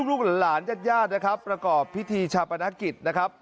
ลูกหลานยาดนะครับประกอบพิธีชัพนกิจนะครับ